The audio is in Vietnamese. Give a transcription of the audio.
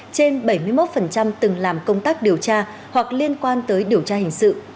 trên bảy mươi một từng làm công tác điều tra hoặc liên quan tới điều tra hình sự